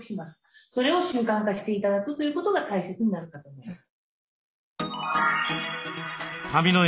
それを習慣化して頂くということが大切になるかと思います。